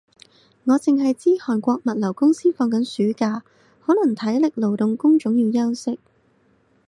我剩係知韓國物流公司放緊暑假，可能體力勞動工種要休息